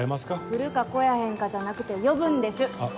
来るか来やへんかじゃなくて呼ぶんですあっ